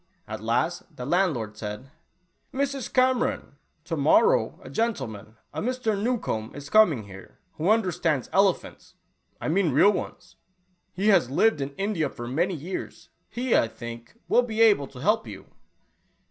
At last the landlord said, " Mrs. Cameron, to morrow a gentleman, a Mr. Newcombe, is coming here, who understands elephants — I mean real ones. He has lived in India for many years. He, I think, will be able to* help you."